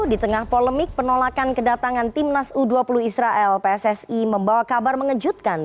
di tengah polemik penolakan kedatangan timnas u dua puluh israel pssi membawa kabar mengejutkan